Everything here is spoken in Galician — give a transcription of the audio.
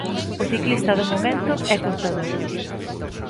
O ciclista do momento é Contador.